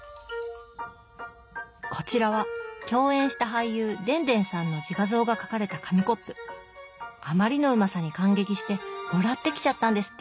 こちらは共演した俳優でんでんさんのあまりのうまさに感激してもらってきちゃったんですって。